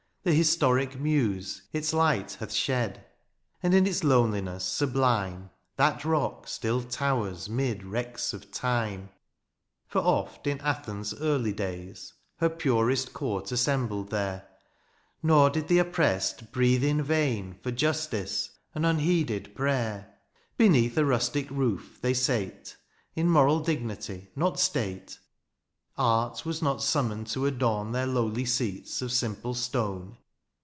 The historic muse its light hath shed ;' 20 DIONYSIUS, And in its loneliness sublime That rock still towers ^mid wrecks of time : For oft in Athens' early days^ Her purest court assembled there^ Nor did the oppressed breathe in vain For justice an unheeded prayer. Beneath a rustic roof they sate. In moral dignity, not state ; Art was not summoned to adorn Their lowly seats of simple stone.